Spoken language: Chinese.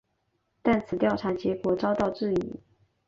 但此调查结果遭到质疑。